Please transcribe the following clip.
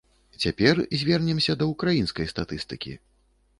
Цяпер звернемся да ўкраінскай статыстыкі.